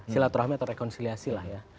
silaturahmi atau rekonsiliasi lah ya